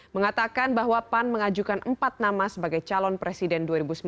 mengatakan bahwa pan mengajukan empat nama sebagai calon presiden dua ribu sembilan belas